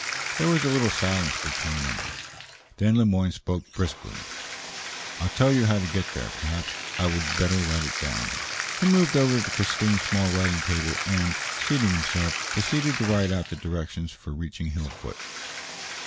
There was a little silence between them. Then Le Moyne spoke briskly: "I'll tell you how to get there; perhaps I would better write it." He moved over to Christine's small writing table and, seating himself, proceeded to write out the directions for reaching Hillfoot.